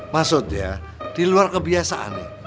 maksudnya di luar kebiasaan